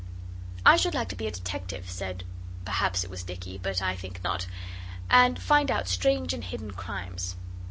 'I should like to be a detective,' said perhaps it was Dicky, but I think not 'and find out strange and hidden crimes.